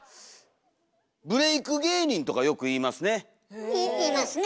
「ブレイク芸人」とかよく言いますね！